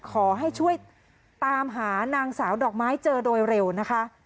ขอให้ช่วยตามหานางสาวดอกไม้เจอโดยเร็วนะคะ